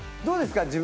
どうですか？